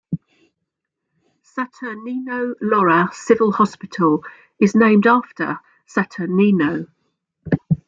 Saturnino Lora Civil Hospital is named after Saturnino.